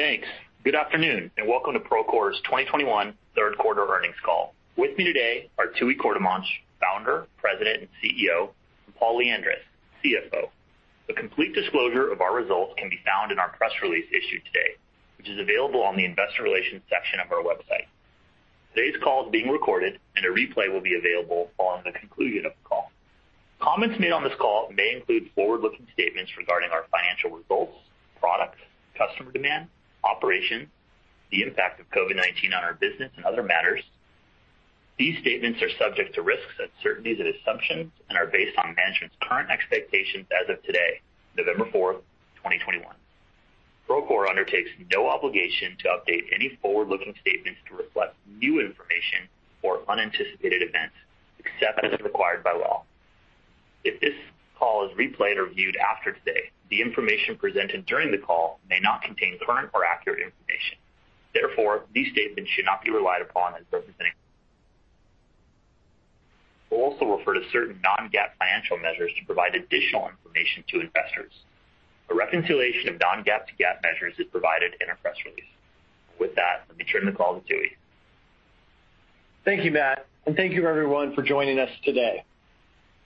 Thanks. Good afternoon, and welcome to Procore's 2021 third quarter earnings call. With me today are Tooey Courtemanche, Founder, President, and CEO, and Paul Lyandres, CFO. A complete disclosure of our results can be found in our press release issued today, which is available on the investor relations section of our website. Today's call is being recorded and a replay will be available following the conclusion of the call. Comments made on this call may include forward-looking statements regarding our financial results, products, customer demand, operations, the impact of COVID-19 on our business and other matters. These statements are subject to risks, uncertainties, and assumptions and are based on management's current expectations as of today, November 4, 2021. Procore undertakes no obligation to update any forward-looking statements to reflect new information or unanticipated events except as required by law. If this call is replayed or reviewed after today, the information presented during the call may not contain current or accurate information. Therefore, these statements should not be relied upon as representing. We'll also refer to certain non-GAAP financial measures to provide additional information to investors. A reconciliation of non-GAAP to GAAP measures is provided in our press release. With that, let me turn the call to Tooey. Thank you, Matt, and thank you everyone for joining us today.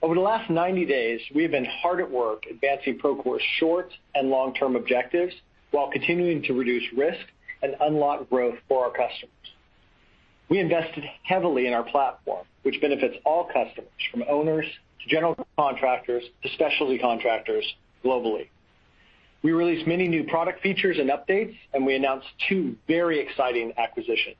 Over the last 90 days, we have been hard at work advancing Procore's short and long-term objectives while continuing to reduce risk and unlock growth for our customers. We invested heavily in our platform, which benefits all customers, from owners to general contractors to specialty contractors globally. We released many new product features and updates, and we announced two very exciting acquisitions.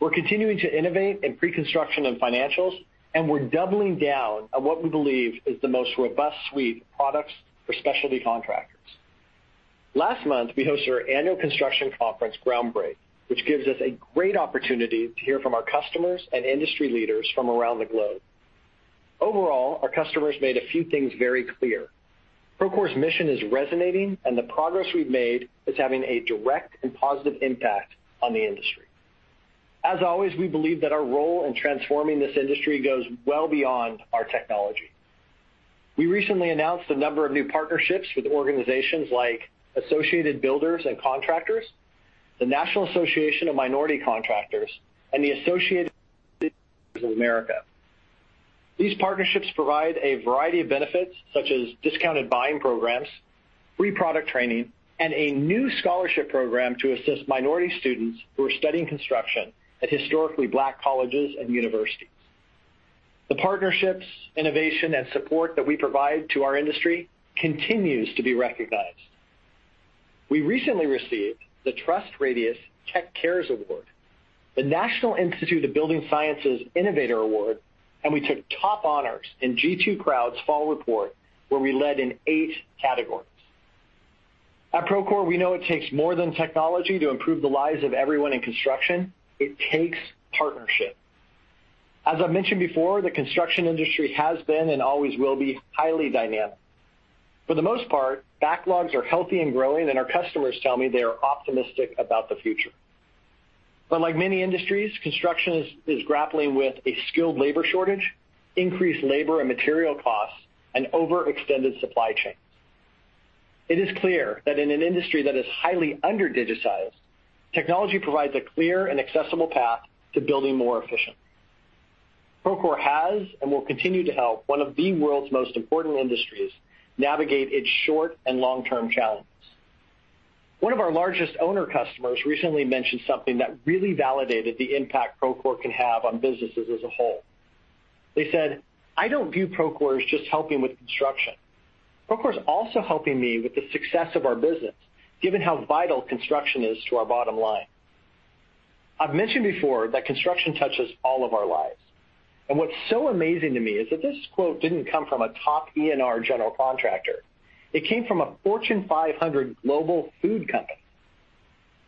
We're continuing to innovate in pre-construction and financials, and we're doubling down on what we believe is the most robust suite of products for specialty contractors. Last month, we hosted our annual construction conference, Groundbreak, which gives us a great opportunity to hear from our customers and industry leaders from around the globe. Overall, our customers made a few things very clear. Procore's mission is resonating, and the progress we've made is having a direct and positive impact on the industry. As always, we believe that our role in transforming this industry goes well beyond our technology. We recently announced a number of new partnerships with organizations like Associated Builders and Contractors, the National Association of Minority Contractors, and the Associated General Contractors of America. These partnerships provide a variety of benefits, such as discounted buying programs, free product training, and a new scholarship program to assist minority students who are studying construction at historically Black colleges and universities. The partnerships, innovation, and support that we provide to our industry continues to be recognized. We recently received the TrustRadius Tech Cares Award, the National Institute of Building Sciences Innovator Award, and we took top honors in G2 Crowd's fall report, where we led in eight categories. At Procore, we know it takes more than technology to improve the lives of everyone in construction. It takes partnership. As I mentioned before, the construction industry has been and always will be highly dynamic. For the most part, backlogs are healthy and growing, and our customers tell me they are optimistic about the future. Like many industries, construction is grappling with a skilled labor shortage, increased labor and material costs, and overextended supply chains. It is clear that in an industry that is highly under-digitized, technology provides a clear and accessible path to building more efficient. Procore has and will continue to help one of the world's most important industries navigate its short- and long-term challenges. One of our largest owner customers recently mentioned something that really validated the impact Procore can have on businesses as a whole. They said, "I don't view Procore as just helping with construction. Procore is also helping me with the success of our business, given how vital construction is to our bottom line." I've mentioned before that construction touches all of our lives, and what's so amazing to me is that this quote didn't come from a top ENR general contractor. It came from a Fortune 500 global food company.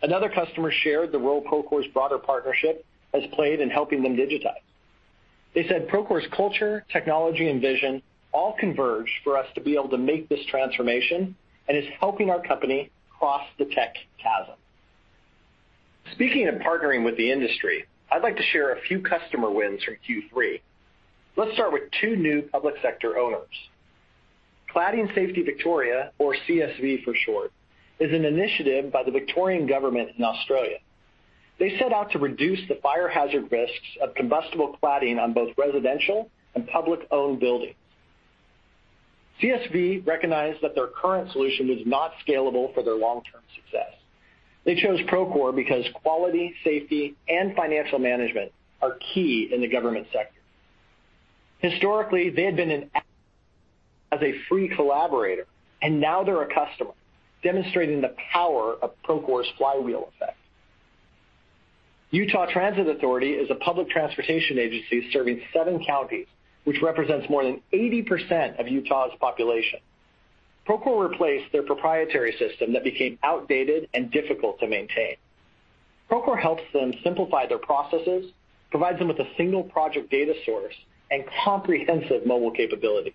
Another customer shared the role Procore's broader partnership has played in helping them digitize. They said, "Procore's culture, technology, and vision all converge for us to be able to make this transformation and is helping our company cross the tech chasm." Speaking of partnering with the industry, I'd like to share a few customer wins from Q3. Let's start with two new public sector owners. Cladding Safety Victoria, or CSV for short, is an initiative by the Victorian government in Australia. They set out to reduce the fire hazard risks of combustible cladding on both residential and public-owned buildings. CSV recognized that their current solution was not scalable for their long-term success. They chose Procore because quality, safety, and financial management are key in the government sector. Historically, they had been a free collaborator, and now they're a customer, demonstrating the power of Procore's flywheel effect. Utah Transit Authority is a public transportation agency serving seven counties, which represents more than 80% of Utah's population. Procore replaced their proprietary system that became outdated and difficult to maintain. Procore helps them simplify their processes, provides them with a single project data source and comprehensive mobile capabilities.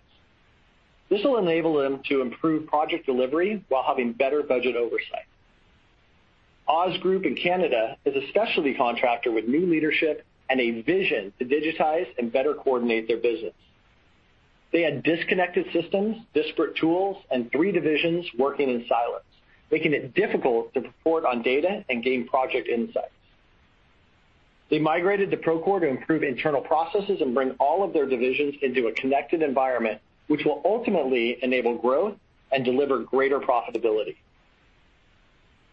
This will enable them to improve project delivery while having better budget oversight. Oz Group in Canada is a specialty contractor with new leadership and a vision to digitize and better coordinate their business. They had disconnected systems, disparate tools, and three divisions working in silence, making it difficult to report on data and gain project insights. They migrated to Procore to improve internal processes and bring all of their divisions into a connected environment, which will ultimately enable growth and deliver greater profitability.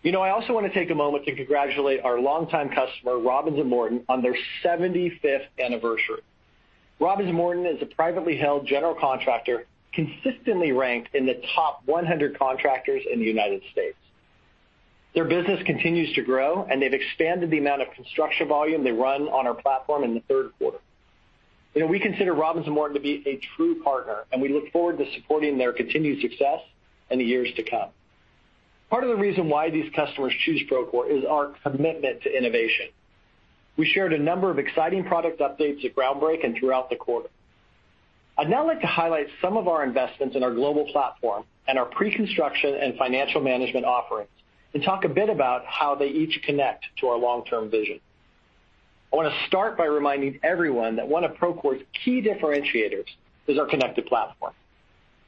You know, I also wanna take a moment to congratulate our longtime customer, Robins & Morton, on their 75th anniversary. Robins & Morton is a privately held general contractor, consistently ranked in the top 100 contractors in the United States. Their business continues to grow, and they've expanded the amount of construction volume they run on our platform in the third quarter. You know, we consider Robins & Morton to be a true partner, and we look forward to supporting their continued success in the years to come. Part of the reason why these customers choose Procore is our commitment to innovation. We shared a number of exciting product updates at Groundbreak and throughout the quarter. I'd now like to highlight some of our investments in our global platform and our pre-construction and financial management offerings, and talk a bit about how they each connect to our long-term vision. I wanna start by reminding everyone that one of Procore's key differentiators is our connected platform.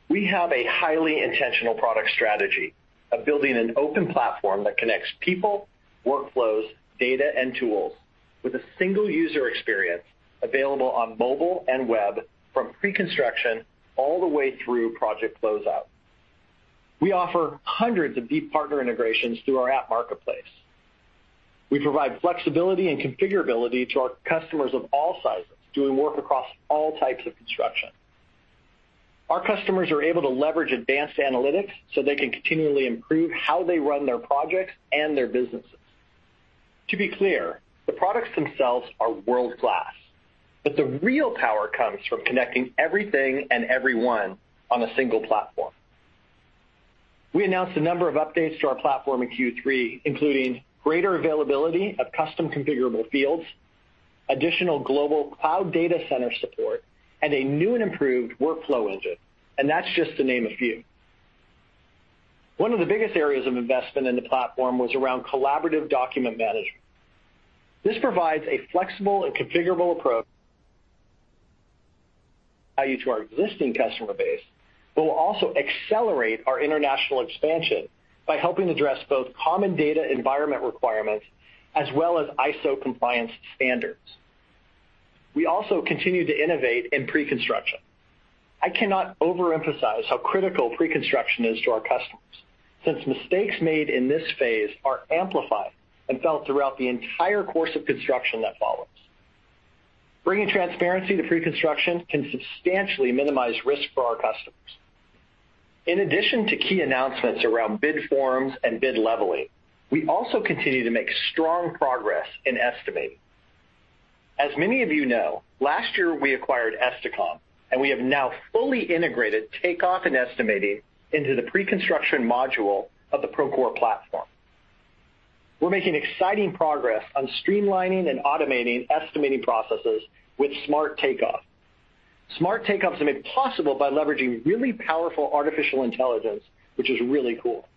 We have a highly intentional product strategy of building an open platform that connects people, workflows, data, and tools with a single user experience available on mobile and web from pre-construction all the way through project closeout. We offer hundreds of deep partner integrations through our App Marketplace. We provide flexibility and configurability to our customers of all sizes doing work across all types of construction. Our customers are able to leverage advanced analytics so they can continually improve how they run their projects and their businesses. To be clear, the products themselves are world-class, but the real power comes from connecting everything and everyone on a single platform. We announced a number of updates to our platform in Q3, including greater availability of custom configurable fields, additional global cloud data center support, and a new and improved workflow engine, and that's just to name a few. One of the biggest areas of investment in the platform was around collaborative document management. This provides a flexible and configurable approach value to our existing customer base, but will also accelerate our international expansion by helping address both common data environment requirements as well as ISO compliance standards. We also continue to innovate in pre-construction. I cannot overemphasize how critical pre-construction is to our customers, since mistakes made in this phase are amplified and felt throughout the entire course of construction that follows. Bringing transparency to pre-construction can substantially minimize risk for our customers. In addition to key announcements around bid forms and bid leveling, we also continue to make strong progress in estimating. As many of you know, last year we acquired Esticom, and we have now fully integrated takeoff and estimating into the pre-construction module of the Procore platform. We're making exciting progress on streamlining and automating estimating processes with Smart Takeoff. Smart Takeoff is made possible by leveraging really powerful artificial intelligence, which is really cool.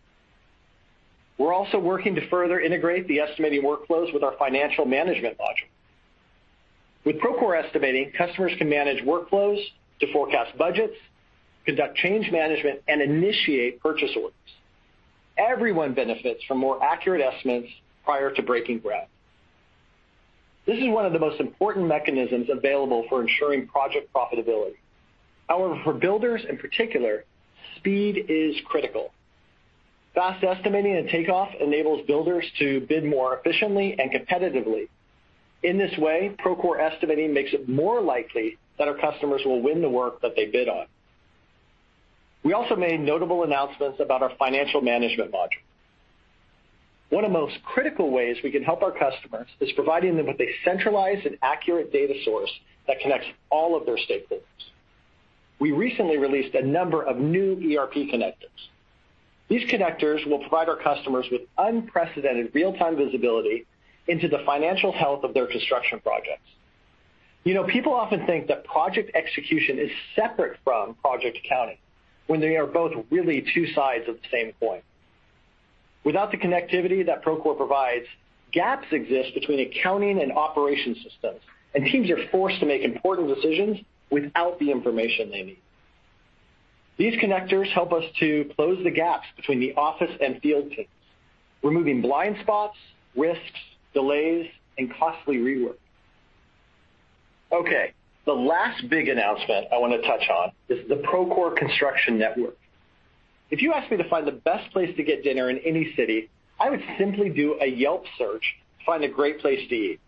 We're also working to further integrate the estimating workflows with our financial management module. With Procore Estimating, customers can manage workflows to forecast budgets, conduct change management, and initiate purchase orders. Everyone benefits from more accurate estimates prior to breaking ground. This is one of the most important mechanisms available for ensuring project profitability. However, for builders in particular, speed is critical. Fast estimating and takeoff enables builders to bid more efficiently and competitively. In this way, Procore Estimating makes it more likely that our customers will win the work that they bid on. We also made notable announcements about our financial management module. One of the most critical ways we can help our customers is providing them with a centralized and accurate data source that connects all of their stakeholders. We recently released a number of new ERP connectors. These connectors will provide our customers with unprecedented real-time visibility into the financial health of their construction projects. You know, people often think that project execution is separate from project accounting when they are both really two sides of the same coin. Without the connectivity that Procore provides, gaps exist between accounting and operation systems, and teams are forced to make important decisions without the information they need. These connectors help us to close the gaps between the office and field teams, removing blind spots, risks, delays, and costly rework. Okay, the last big announcement I wanna touch on is the Procore Construction Network. If you ask me to find the best place to get dinner in any city, I would simply do a Yelp search to find a great place to eat.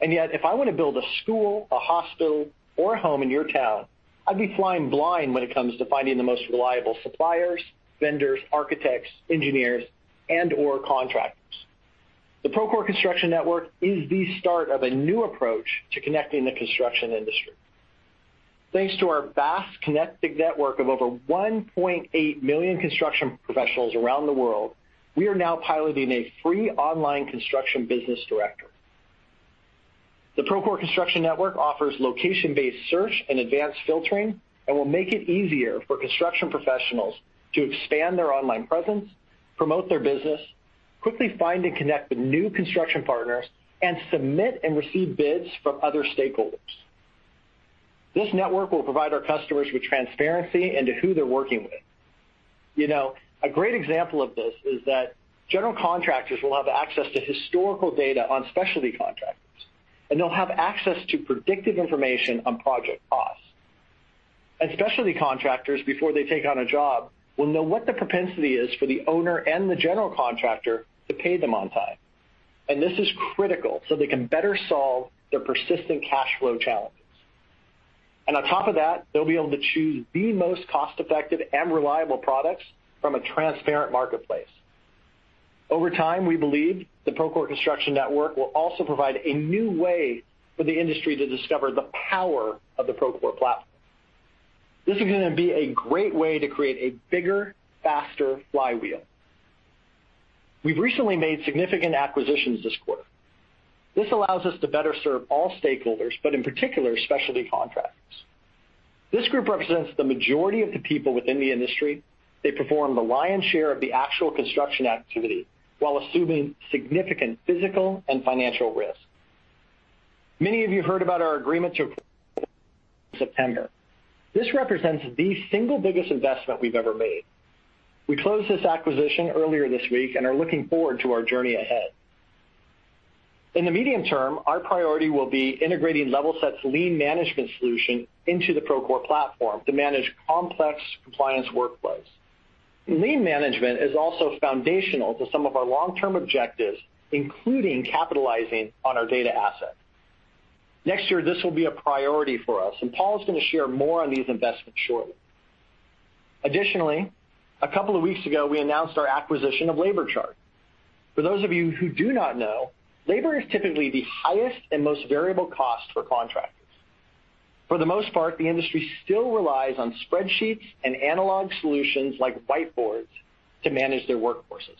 Yet, if I want to build a school, a hospital, or a home in your town, I'd be flying blind when it comes to finding the most reliable suppliers, vendors, architects, engineers, and/or contractors. The Procore Construction Network is the start of a new approach to connecting the construction industry. Thanks to our vast connected network of over 1.8 million construction professionals around the world, we are now piloting a free online construction business directory. The Procore Construction Network offers location-based search and advanced filtering and will make it easier for construction professionals to expand their online presence, promote their business, quickly find and connect with new construction partners, and submit and receive bids from other stakeholders. This network will provide our customers with transparency into who they're working with. You know, a great example of this is that general contractors will have access to historical data on specialty contractors, and they'll have access to predictive information on project costs. Specialty contractors, before they take on a job, will know what the propensity is for the owner and the general contractor to pay them on time. This is critical so they can better solve their persistent cash flow challenges. On top of that, they'll be able to choose the most cost-effective and reliable products from a transparent marketplace. Over time, we believe the Procore Construction Network will also provide a new way for the industry to discover the power of the Procore platform. This is gonna be a great way to create a bigger, faster flywheel. We've recently made significant acquisitions this quarter. This allows us to better serve all stakeholders, but in particular, specialty contractors. This group represents the majority of the people within the industry. They perform the lion's share of the actual construction activity while assuming significant physical and financial risk. Many of you heard about our agreement to acquire Levelset. This represents the single biggest investment we've ever made. We closed this acquisition earlier this week and are looking forward to our journey ahead. In the medium term, our priority will be integrating Levelset's lien management solution into the Procore platform to manage complex compliance workflows. Lien management is also foundational to some of our long-term objectives, including capitalizing on our data asset. Next year, this will be a priority for us, and Paul is gonna share more on these investments shortly. Additionally, a couple of weeks ago, we announced our acquisition of LaborChart. For those of you who do not know, labor is typically the highest and most variable cost for contractors. For the most part, the industry still relies on spreadsheets and analog solutions like whiteboards to manage their workforces.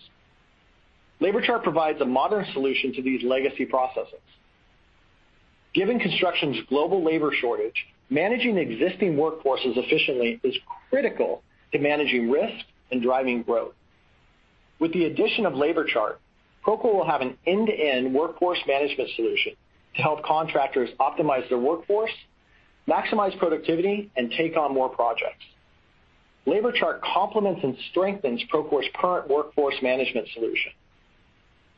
LaborChart provides a modern solution to these legacy processes. Given construction's global labor shortage, managing existing workforces efficiently is critical to managing risk and driving growth. With the addition of LaborChart, Procore will have an end-to-end workforce management solution to help contractors optimize their workforce, maximize productivity, and take on more projects. LaborChart complements and strengthens Procore's current workforce management solution.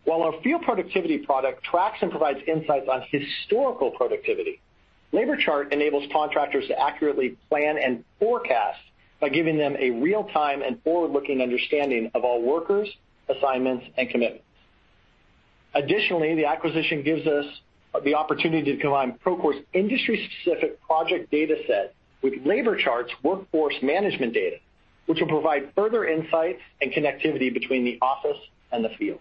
While our field productivity product tracks and provides insights on historical productivity, LaborChart enables contractors to accurately plan and forecast by giving them a real-time and forward-looking understanding of all workers, assignments, and commitments. Additionally, the acquisition gives us the opportunity to combine Procore's industry-specific project dataset with LaborChart's workforce management data, which will provide further insight and connectivity between the office and the field.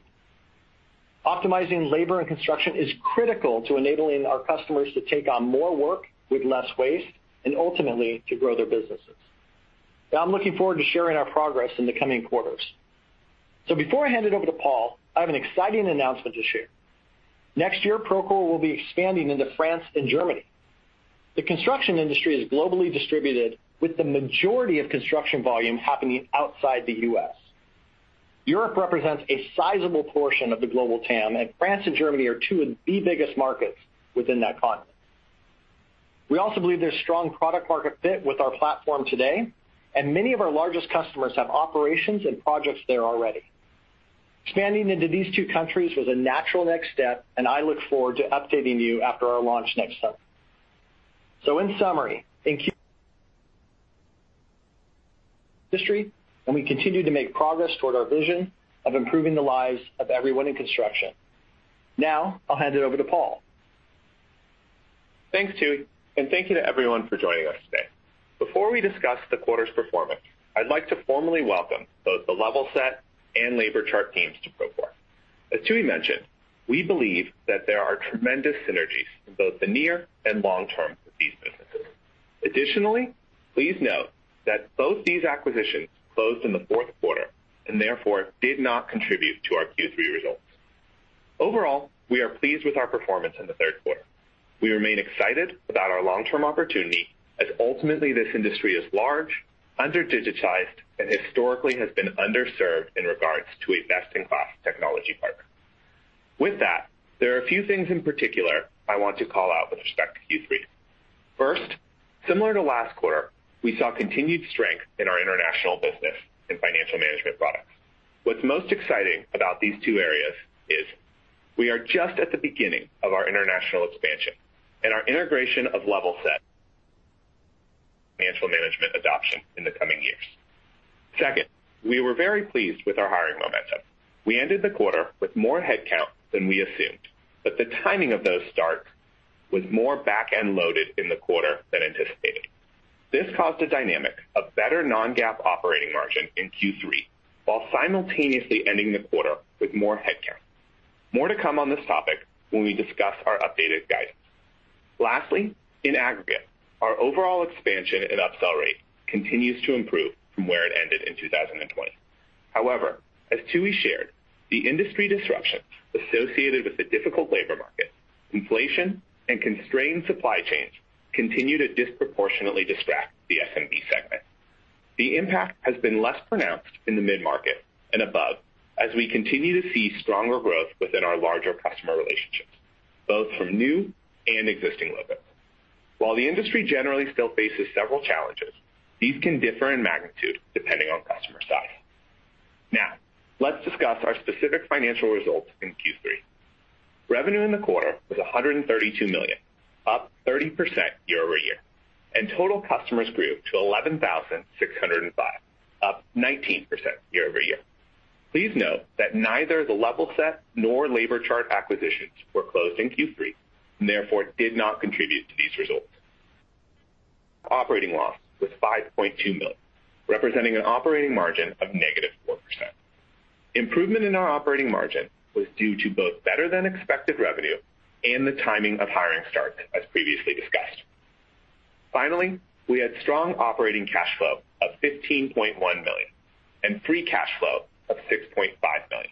Optimizing labor and construction is critical to enabling our customers to take on more work with less waste and ultimately to grow their businesses. Now, I'm looking forward to sharing our progress in the coming quarters. Before I hand it over to Paul, I have an exciting announcement to share. Next year, Procore will be expanding into France and Germany. The construction industry is globally distributed, with the majority of construction volume happening outside the U.S. Europe represents a sizable portion of the global TAM, and France and Germany are two of the biggest markets within that continent. We also believe there's strong product market fit with our platform today, and many of our largest customers have operations and projects there already. Expanding into these two countries was a natural next step, and I look forward to updating you after our launch next summer. In summary, thank you [history], and we continue to make progress toward our vision of improving the lives of everyone in construction. Now, I'll hand it over to Paul. Thanks, Tooey. Thank you to everyone for joining us today. Before we discuss the quarter's performance, I'd like to formally welcome both the Levelset and LaborChart teams to Procore. As Tooey mentioned, we believe that there are tremendous synergies in both the near and long term for these businesses. Additionally, please note that both these acquisitions closed in the fourth quarter and therefore did not contribute to our Q3 results. Overall, we are pleased with our performance in the third quarter. We remain excited about our long-term opportunity as ultimately this industry is large, under-digitized, and historically has been underserved in regards to a best-in-class technology partner. With that, there are a few things in particular I want to call out with respect to Q3. First, similar to last quarter, we saw continued strength in our international business and financial management products. What's most exciting about these two areas is we are just at the beginning of our international expansion and our integration of Levelset financial management adoption in the coming years. Second, we were very pleased with our hiring momentum. We ended the quarter with more headcount than we assumed, but the timing of those starts was more back-end loaded in the quarter than anticipated. This caused a dynamic of better non-GAAP operating margin in Q3 while simultaneously ending the quarter with more headcount. More to come on this topic when we discuss our updated guidance. Lastly, in aggregate, our overall expansion and upsell rate continues to improve from where it ended in 2020. However, as Tooey shared, the industry disruption associated with the difficult labor market, inflation, and constrained supply chains continue to disproportionately distract the SMB segment. The impact has been less pronounced in the mid-market and above as we continue to see stronger growth within our larger customer relationships, both from new and existing load. While the industry generally still faces several challenges, these can differ in magnitude depending on customer size. Now, let's discuss our specific financial results in Q3. Revenue in the quarter was $132 million, up 30% year-over-year, and total customers grew to 11,605, up 19% year-over-year. Please note that neither the Levelset nor LaborChart acquisitions were closed in Q3, and therefore did not contribute to these results. Operating loss was $5.2 million, representing an operating margin of -4%. Improvement in our operating margin was due to both better than expected revenue and the timing of hiring starts, as previously discussed. Finally, we had strong operating cash flow of $15.1 million and free cash flow of $6.5 million.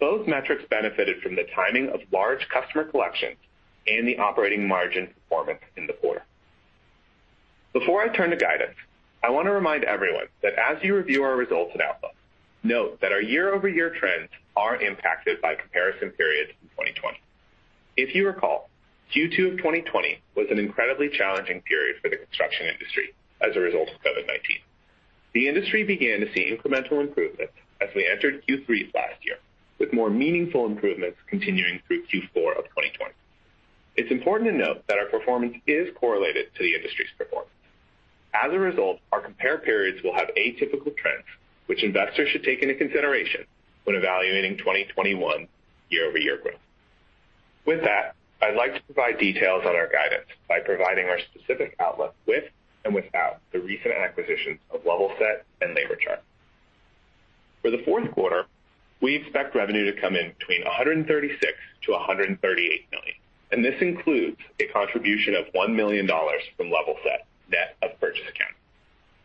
Both metrics benefited from the timing of large customer collections and the operating margin performance in the quarter. Before I turn to guidance, I wanna remind everyone that as you review our results and outlook, note that our year-over-year trends are impacted by comparison periods in 2020. If you recall, Q2 of 2020 was an incredibly challenging period for the construction industry as a result of COVID-19. The industry began to see incremental improvements as we entered Q3 last year, with more meaningful improvements continuing through Q4 of 2020. It's important to note that our performance is correlated to the industry's performance. As a result, our comparison periods will have atypical trends, which investors should take into consideration when evaluating 2021 year-over-year growth. With that, I'd like to provide details on our guidance by providing our specific outlook with and without the recent acquisitions of Levelset and LaborChart. For the fourth quarter, we expect revenue to come in between $136 million-$138 million, and this includes a contribution of $1 million from Levelset net of purchase accounting.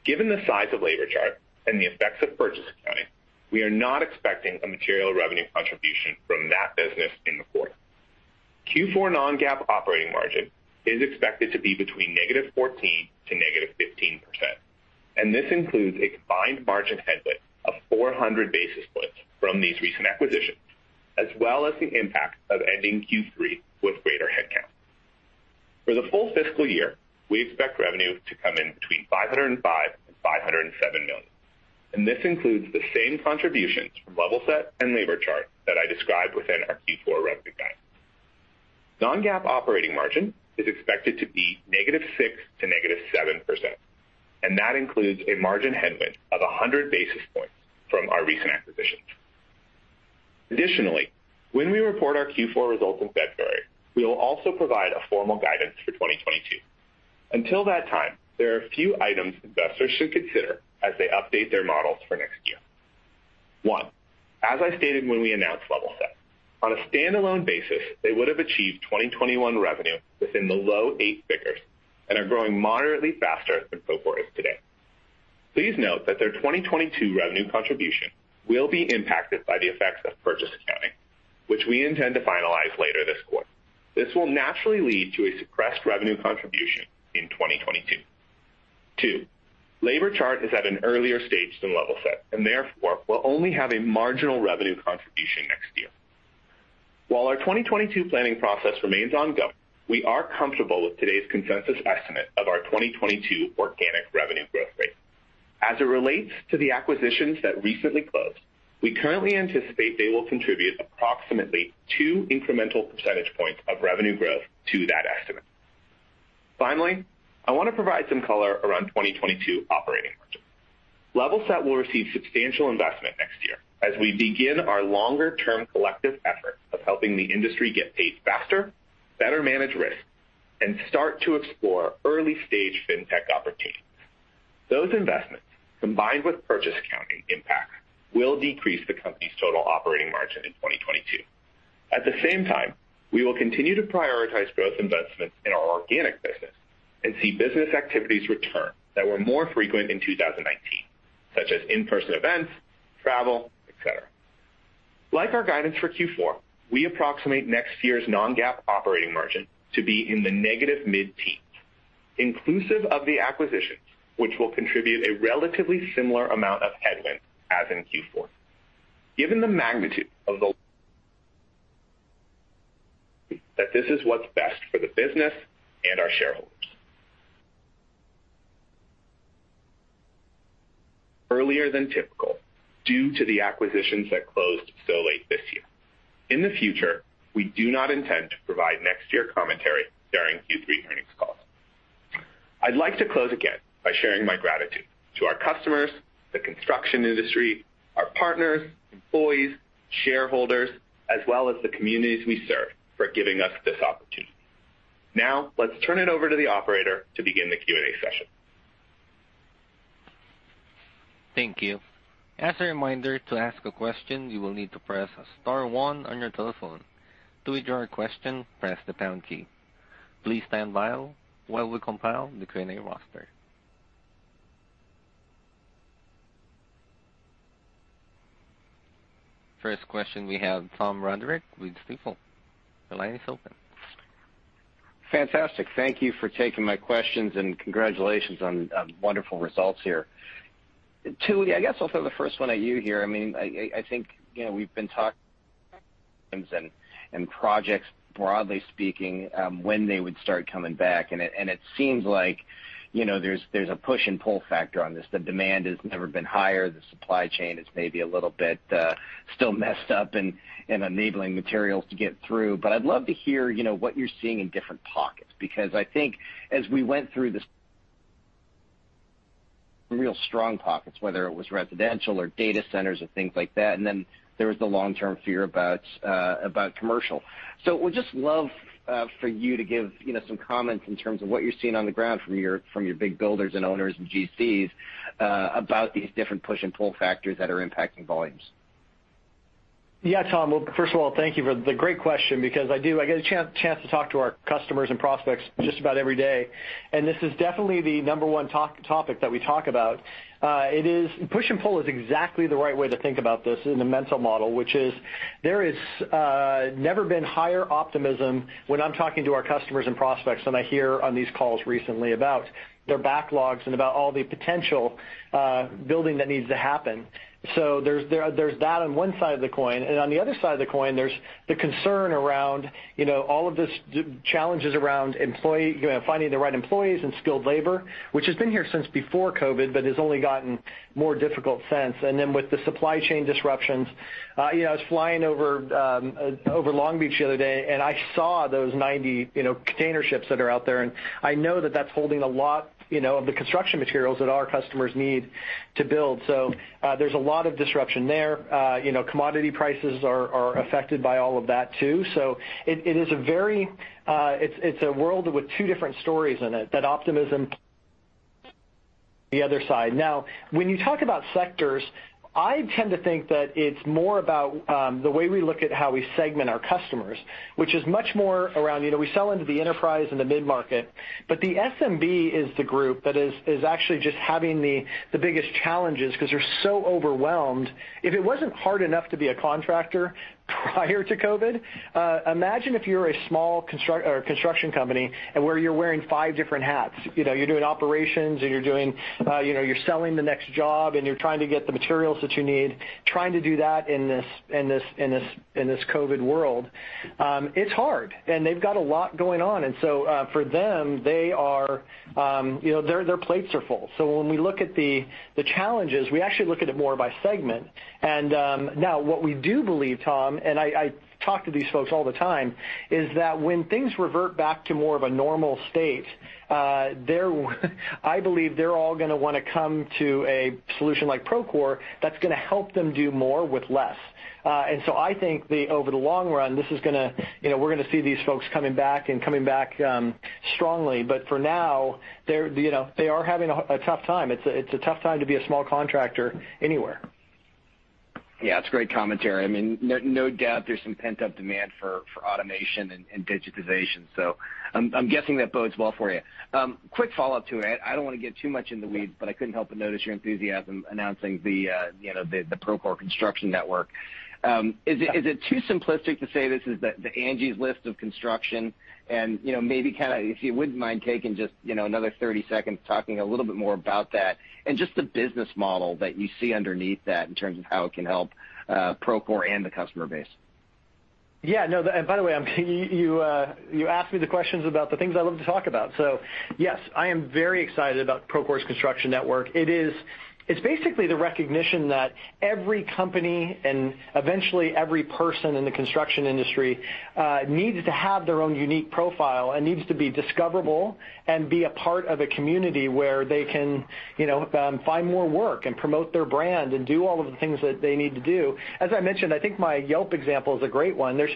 Given the size of LaborChart and the effects of purchase accounting, we are not expecting a material revenue contribution from that business in the fourth quarter. Q4 non-GAAP operating margin is expected to be between -14% and -15%, and this includes a combined margin headwind of 400 basis points from these recent acquisitions, as well as the impact of ending Q3 with greater headcount. For the full fiscal year, we expect revenue to come in between $505 million-$507 million, and this includes the same contributions from Levelset and LaborChart that I described within our Q4 revenue guidance. non-GAAP operating margin is expected to be -6% to -7%, and that includes a margin headwind of 100 basis points from our recent acquisitions. Additionally, when we report our Q4 results in February, we will also provide a formal guidance for 2022. Until that time, there are a few items investors should consider as they update their models for next year. One, as I stated when we announced Levelset, on a standalone basis, they would have achieved 2021 revenue within the low eight figures and are growing moderately faster than Procore is today. Please note that their 2022 revenue contribution will be impacted by the effects of purchase accounting, which we intend to finalize later this quarter. This will naturally lead to a suppressed revenue contribution in 2022. 2, LaborChart is at an earlier stage than Levelset and therefore will only have a marginal revenue contribution next year. While our 2022 planning process remains ongoing, we are comfortable with today's consensus estimate of our 2022 organic revenue growth rate. As it relates to the acquisitions that recently closed, we currently anticipate they will contribute approximately 2 incremental percentage points of revenue growth to that estimate. Finally, I wanna provide some color around 2022 operating margin. Levelset will receive substantial investment next year as we begin our longer term collective effort of helping the industry get paid faster, better manage risk, and start to explore early-stage fintech opportunities. Those investments, combined with purchase accounting impacts, will decrease the company's total operating margin in 2022. At the same time, we will continue to prioritize growth investments in our organic business and see business activities return that were more frequent in 2019, such as in-person events, travel, et cetera. Like our guidance for Q4, we approximate next year's non-GAAP operating margin to be in the negative mid-teens%, inclusive of the acquisitions, which will contribute a relatively similar amount of headwind as in Q4. Given the magnitude of the that this is what's best for the business and our shareholders. Earlier than typical, due to the acquisitions that closed so late this year. In the future, we do not intend to provide next year commentary during Q3 earnings calls. I'd like to close again by sharing my gratitude to our customers, the construction industry, our partners, employees, shareholders, as well as the communities we serve for giving us this opportunity. Now, let's turn it over to the operator to begin the Q&A session. Thank you. As a reminder, to ask a question, you will need to press star one on your telephone. To withdraw your question, press the pound key. Please stand by while we compile the Q&A roster. First question, we have Tom Roderick with Stifel. Your line is open. Fantastic. Thank you for taking my questions and congratulations on wonderful results here. Tooey, I guess I'll throw the first one at you here. I mean, I think, you know, we've been talking about projects broadly speaking, when they would start coming back. It seems like, you know, there's a push and pull factor on this. The demand has never been higher. The supply chain is maybe a little bit still messed up in enabling materials to get through. But I'd love to hear, you know, what you're seeing in different pockets because I think as we went through these really strong pockets, whether it was residential or data centers or things like that. Then there was the long-term fear about commercial. Would just love for you to give, you know, some comments in terms of what you're seeing on the ground from your big builders and owners and GCs about these different push and pull factors that are impacting volumes. Yeah, Tom. Well, first of all, thank you for the great question because I get a chance to talk to our customers and prospects just about every day, and this is definitely the number one top-topic that we talk about. It is push and pull is exactly the right way to think about this in the mental model, which is there is never been higher optimism when I'm talking to our customers and prospects than I hear on these calls recently about their backlogs and about all the potential building that needs to happen. There's that on one side of the coin. On the other side of the coin, there's the concern around, you know, all of this, the challenges around employee, you know, finding the right employees and skilled labor, which has been here since before COVID, but has only gotten more difficult since. With the supply chain disruptions, you know, I was flying over Long Beach the other day, and I saw those 90, you know, container ships that are out there, and I know that that's holding a lot, you know, of the construction materials that our customers need to build. There's a lot of disruption there. You know, commodity prices are affected by all of that too. It is a very, it's a world with two different stories in it, that optimism the other side. Now, when you talk about sectors, I tend to think that it's more about the way we look at how we segment our customers, which is much more around, you know, we sell into the enterprise and the mid-market, but the SMB is the group that is actually just having the biggest challenges 'cause they're so overwhelmed. If it wasn't hard enough to be a contractor prior to COVID, imagine if you're a small construction company and where you're wearing five different hats. You know, you're doing operations and you're doing, you know, you're selling the next job and you're trying to get the materials that you need. Trying to do that in this COVID world, it's hard. They've got a lot going on. For them, they are, you know, their plates are full. When we look at the challenges, we actually look at it more by segment. Now what we do believe, Tom, and I talk to these folks all the time, is that when things revert back to more of a normal state, they're, I believe, they're all gonna wanna come to a solution like Procore that's gonna help them do more with less. I think over the long run, this is gonna, you know, we're gonna see these folks coming back and coming back strongly. For now, they're, you know, they are having a tough time. It's a tough time to be a small contractor anywhere. Yeah, it's great commentary. I mean, no doubt there's some pent-up demand for automation and digitization. So I'm guessing that bodes well for you. Quick follow-up to it. I don't wanna get too much in the weeds, but I couldn't help but notice your enthusiasm announcing the Procore Construction Network. Is it too simplistic to say this is the Angie's List of construction? You know, maybe kinda if you wouldn't mind taking just another 30 seconds talking a little bit more about that and just the business model that you see underneath that in terms of how it can help Procore and the customer base. Yeah. No, you asked me the questions about the things I love to talk about. Yes, I am very excited about Procore Construction Network. It is, it's basically the recognition that every company and eventually every person in the construction industry needs to have their own unique profile and needs to be discoverable and be a part of a community where they can, you know, find more work and promote their brand and do all of the things that they need to do. As I mentioned, I think my Yelp example is a great one. There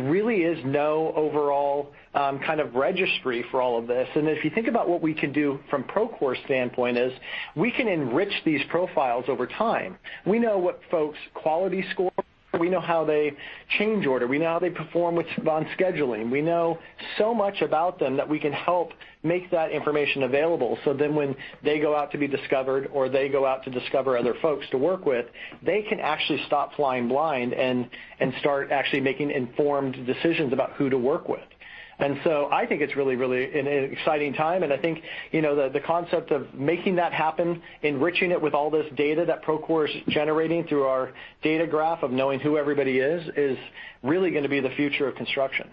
really is no overall kind of registry for all of this. If you think about what we can do from Procore standpoint is we can enrich these profiles over time. We know what folks' quality score, we know how they change order, we know how they perform with bond scheduling. We know so much about them that we can help make that information available, so then when they go out to be discovered or they go out to discover other folks to work with, they can actually stop flying blind and start actually making informed decisions about who to work with. I think it's really, really an exciting time, and I think, you know, the concept of making that happen, enriching it with all this data that Procore is generating through our data graph of knowing who everybody is really gonna be the future of construction.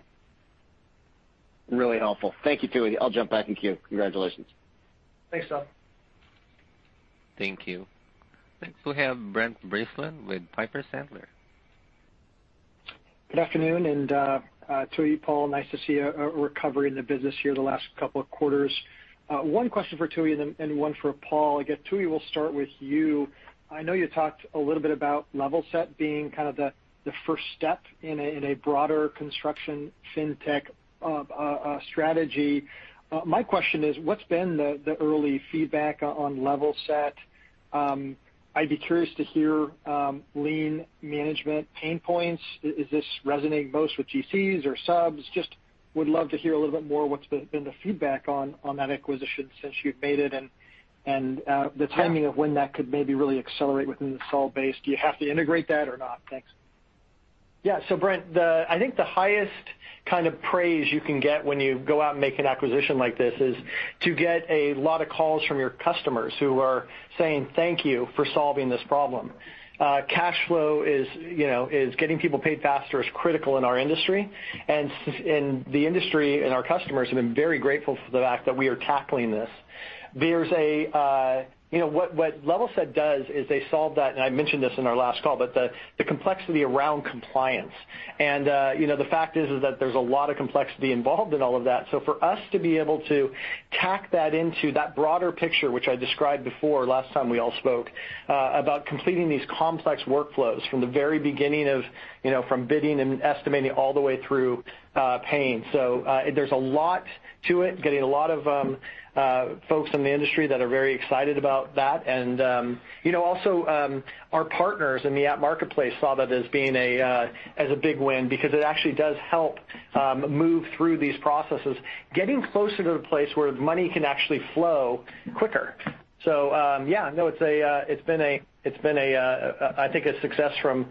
Really helpful. Thank you, Tooey. I'll jump back in queue. Congratulations. Thanks, Tom. Thank you. Next we have Brent Bracelin with Piper Sandler. Good afternoon, Tooey, Paul, nice to see a recovery in the business here the last couple of quarters. One question for Tooey and one for Paul. I guess, Tooey, we'll start with you. I know you talked a little bit about Levelset being kind of the first step in a broader construction fintech strategy. My question is, what's been the early feedback on Levelset? I'd be curious to hear lien management pain points. Is this resonating most with GCs or subs? Would love to hear a little bit more what's been the feedback on that acquisition since you've made it and the timing of when that could maybe really accelerate within the sell base. Do you have to integrate that or not? Thanks. Yeah. Brent, I think the highest kind of praise you can get when you go out and make an acquisition like this is to get a lot of calls from your customers who are saying thank you for solving this problem. Cash flow, you know, is getting people paid faster, is critical in our industry. The industry and our customers have been very grateful for the fact that we are tackling this. There's a, you know, what Levelset does is they solve that, and I mentioned this in our last call, but the complexity around compliance, and the fact is that there's a lot of complexity involved in all of that. For us to be able to tack that into that broader picture, which I described before last time we all spoke, about completing these complex workflows from the very beginning of, you know, from bidding and estimating all the way through, paying. There's a lot to it, getting a lot of folks from the industry that are very excited about that. You know, also, our partners in the App Marketplace saw that as being a, as a big win because it actually does help move through these processes, getting closer to the place where money can actually flow quicker. It's been a success from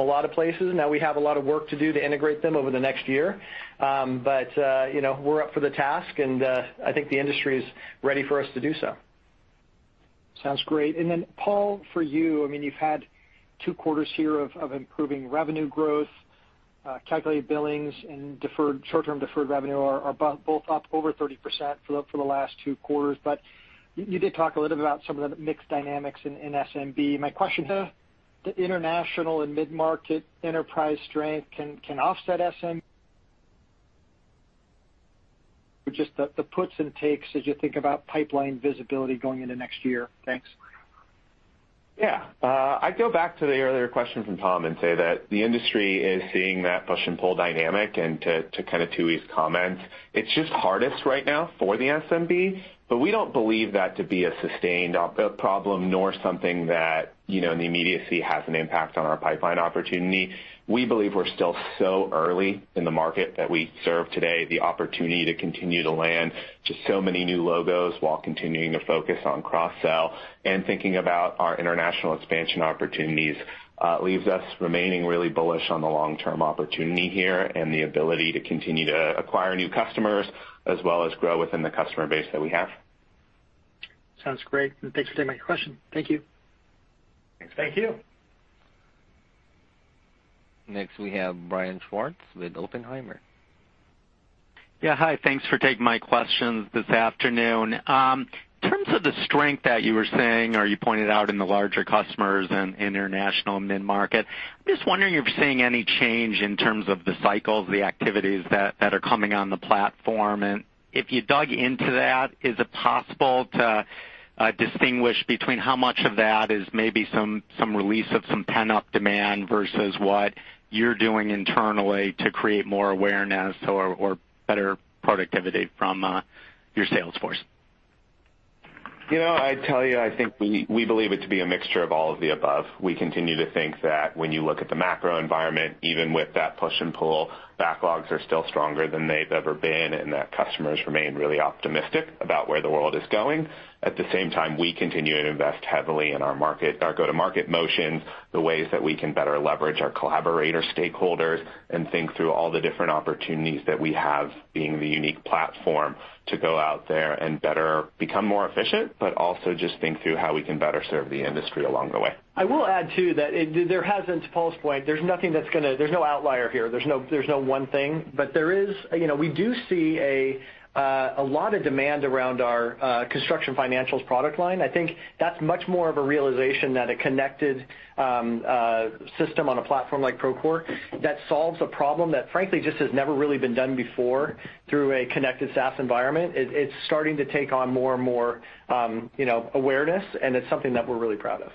a lot of places. Now we have a lot of work to do to integrate them over the next year. You know, we're up for the task, and I think the industry is ready for us to do so. Sounds great. Paul, for you, I mean, you've had two quarters here of improving revenue growth, calculated billings and short-term deferred revenue are both up over 30% for the last two quarters. You did talk a little bit about some of the mix dynamics in SMB. My question, the international and mid-market enterprise strength can offset SMB? Just the puts and takes as you think about pipeline visibility going into next year. Thanks. Yeah. I'd go back to the earlier question from Tom Roderick and say that the industry is seeing that push and pull dynamic, and to kind of Tooey's comments, it's just hardest right now for the SMB, but we don't believe that to be a sustained problem nor something that, you know, in the immediacy has an impact on our pipeline opportunity. We believe we're still so early in the market that we serve today the opportunity to continue to land just so many new logos while continuing to focus on cross-sell and thinking about our international expansion opportunities leaves us remaining really bullish on the long-term opportunity here and the ability to continue to acquire new customers as well as grow within the customer base that we have. Sounds great. Thanks for taking my question. Thank you. Thanks. Thank you. Next, we have Brian Schwartz with Oppenheimer. Yeah, hi. Thanks for taking my questions this afternoon. In terms of the strength that you were saying or you pointed out in the larger customers and international mid-market, just wondering if you're seeing any change in terms of the cycles, the activities that are coming on the platform. If you dug into that, is it possible to distinguish between how much of that is maybe some release of some pent-up demand versus what you're doing internally to create more awareness or better productivity from your sales force? You know, I'd tell you, I think we believe it to be a mixture of all of the above. We continue to think that when you look at the macro environment, even with that push and pull, backlogs are still stronger than they've ever been, and that customers remain really optimistic about where the world is going. At the same time, we continue to invest heavily in our market, our go-to-market motions, the ways that we can better leverage our collaborator stakeholders and think through all the different opportunities that we have being the unique platform to go out there and better become more efficient, but also just think through how we can better serve the industry along the way. I will add too that there has been, to Paul's point, there's nothing that's gonna. There's no outlier here. There's no one thing. But there is, you know, we do see a lot of demand around our construction financials product line. I think that's much more of a realization that a connected system on a platform like Procore that solves a problem that frankly just has never really been done before through a connected SaaS environment. It's starting to take on more and more, you know, awareness, and it's something that we're really proud of.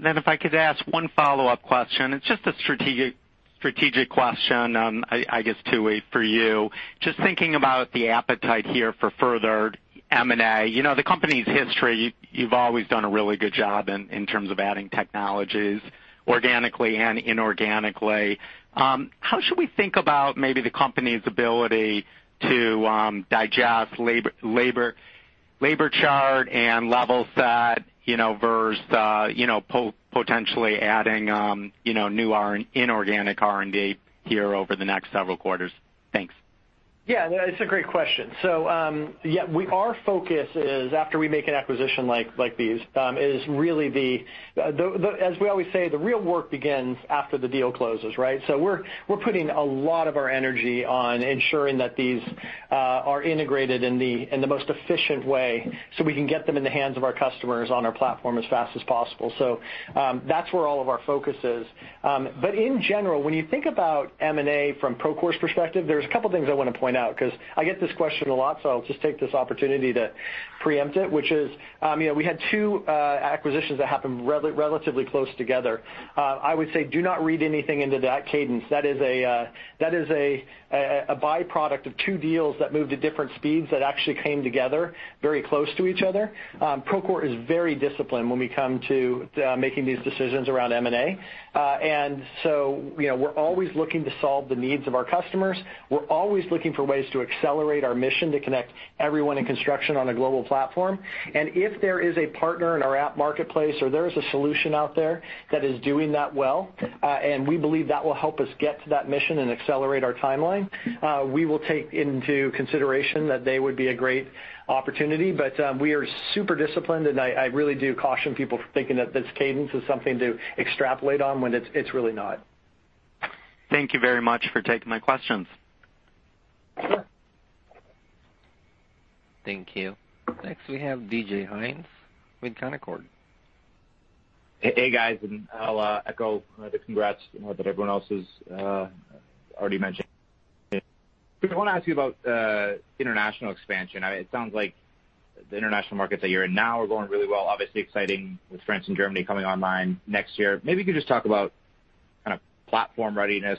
If I could ask one follow-up question. It's just a strategic question, I guess, Tooey, for you. Just thinking about the appetite here for further M&A. You know, the company's history, you've always done a really good job in terms of adding technologies organically and inorganically. How should we think about maybe the company's ability to digest LaborChart and Levelset, you know, versus potentially adding new inorganic R&D here over the next several quarters? Thanks. Yeah, it's a great question. Our focus is after we make an acquisition like these is really, as we always say, the real work begins after the deal closes, right? We're putting a lot of our energy on ensuring that these are integrated in the most efficient way, so we can get them in the hands of our customers on our platform as fast as possible. That's where all of our focus is. But in general, when you think about M&A from Procore's perspective, there's a couple things I wanna point out, 'cause I get this question a lot, so I'll just take this opportunity to preempt it, which is, you know, we had two acquisitions that happened relatively close together. I would say do not read anything into that cadence. That is a byproduct of two deals that moved at different speeds that actually came together very close to each other. Procore is very disciplined when we come to making these decisions around M&A. You know, we're always looking to solve the needs of our customers. We're always looking for ways to accelerate our mission to connect everyone in construction on a global platform. If there is a partner in our app marketplace or there is a solution out there that is doing that well, and we believe that will help us get to that mission and accelerate our timeline, we will take into consideration that they would be a great opportunity. We are super disciplined, and I really do caution people for thinking that this cadence is something to extrapolate on when it's really not. Thank you very much for taking my questions. Thank you. Next we have DJ Hynes with Canaccord Genuity. Hey, guys, I'll echo the congrats, you know, that everyone else has already mentioned. I wanna ask you about international expansion. I mean, it sounds like the international markets that you're in now are going really well. Obviously exciting with France and Germany coming online next year. Maybe you could just talk about kind of platform readiness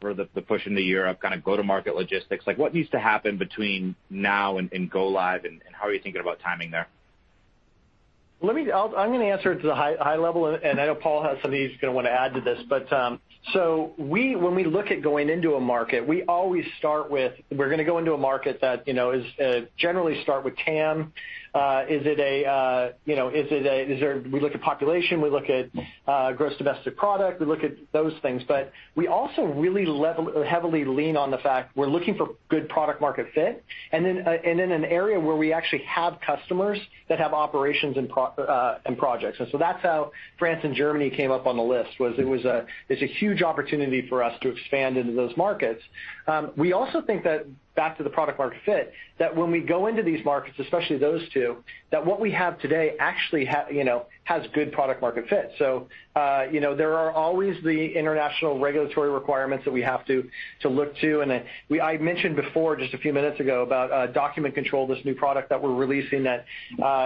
for the push into Europe, kind of go-to-market logistics. Like, what needs to happen between now and go live, and how are you thinking about timing there? I'm gonna answer it at the high level, and I know Paul has some things he's gonna wanna add to this. When we look at going into a market, we always start with TAM. We look at population, we look at gross domestic product, we look at those things. We also really heavily lean on the fact we're looking for good product market fit, and in an area where we actually have customers that have operations and projects. That's how France and Germany came up on the list. It's a huge opportunity for us to expand into those markets. We also think that back to the product market fit, that when we go into these markets, especially those two, that what we have today actually you know, has good product market fit. You know, there are always the international regulatory requirements that we have to look to. I mentioned before, just a few minutes ago, about document control, this new product that we're releasing that